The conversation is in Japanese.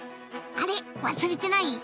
あれ忘れてない？